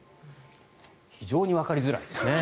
非常にわかりづらいですね。